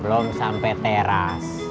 belom sampe teras